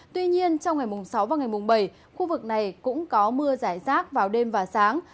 tuy nhiên trong ngày sáu và ngày bảy khu vực này cũng có mưa rải rác vào đêm và sáng